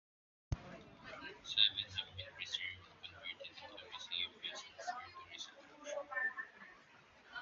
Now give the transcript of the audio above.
Seven have been preserved and converted into museum vessels or tourist attractions.